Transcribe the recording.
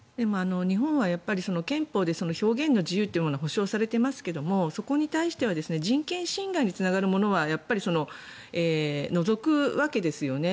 日本は憲法で表現の自由というのは保障されていますけれどそこに対しては人権侵害につながるものは除くわけですよね。